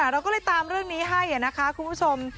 เราก็เลยตามเรื่องนี้ให้นะคะคุณผู้ชม